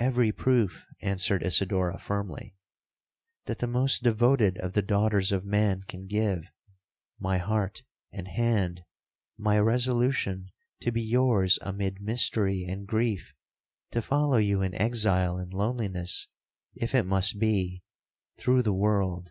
'—'Every proof,' answered Isidora firmly, 'that the most devoted of the daughters of man can give—my heart and hand,—my resolution to be yours amid mystery and grief,—to follow you in exile and loneliness (if it must be) through the world!'